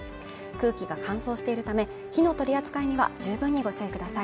空気が乾燥しているため火の取り扱いには十分にご注意ください